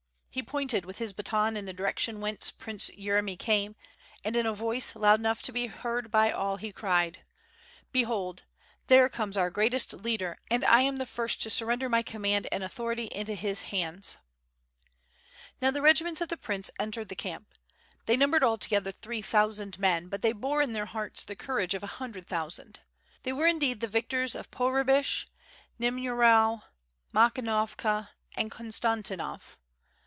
He pointed with his baton in the direction whence Prince Yeremy came, and in a voice loud enough to be heard by all, he cried: "Behold, there comes our greatest leader and I am the first to surrender my command and authority into his hands." WITH FIRE AND SWORD. 69^ Now the regiments of the prince entered the camp. They numbered altogether three thousand men, but they bore in their hearts the courage of a hundred thousand. They were indeed the victors of Pohrebyshch Niemyerow, Makhnovka, and Konstantinov.